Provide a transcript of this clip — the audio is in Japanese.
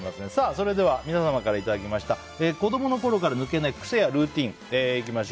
それでは皆様からいただいた子供の頃から抜けない癖やルーティンです。